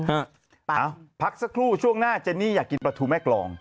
เอ้าพักสักครู่ช่วงหน้าเจนี่อยากกินปลาทูแม่กรอง